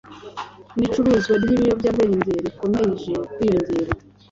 n’icuruzwa ry’ibiyobya bwenge rikomeje kwiyongera